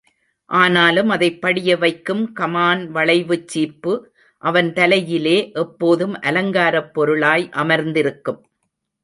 ஆனாலும் அதைப் படிய வைக்கும் கமான் வளைவுச் சீப்பு அவன் தலையிலே எப்போதும் அலங்காரப் பொருளாய் அமர்ந்திருக்கும்.